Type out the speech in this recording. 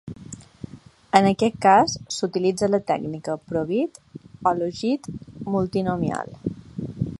En aquest cas, s'utilitza la tècnica probit o logit multinomial.